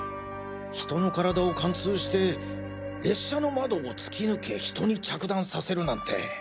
人の体を貫通して列車の窓を突き抜け人に着弾させるなんて。